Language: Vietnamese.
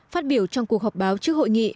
phát biểu trong cuộc họp báo trước hội nghị